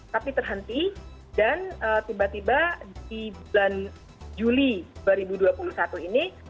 tapi terhenti dan tiba tiba di bulan juli dua ribu dua puluh satu ini